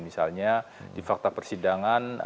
misalnya di fakta persidangan